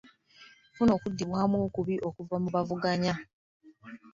Yafuna okuddibwanu okubi okuva mu baavuganya.